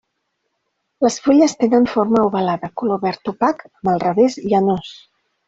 Les fulles tenen forma ovalada, color verd opac amb el revés llanós.